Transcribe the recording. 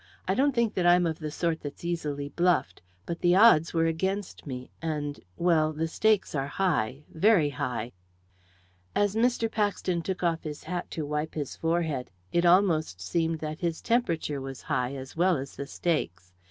I don't think that I'm of the sort that's easily bluffed, but the odds were against me, and well the stakes are high very high!" As Mr. Paxton took off his hat to wipe his forehead it almost seemed that his temperature was high as well as the stakes.